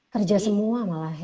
kerja semua malah ya